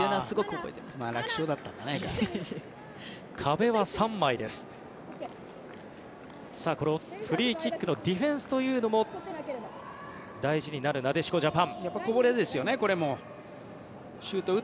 このフリーキックのディフェンスというのも大事になるなでしこジャパン。